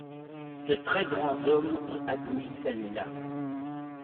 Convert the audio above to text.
De très grands hommes ont admis celle-là.